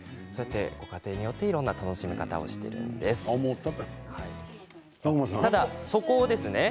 ご家庭によっていろんな楽しみ方をしているということです。